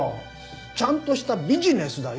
ちゃんとしたビジネスだよ。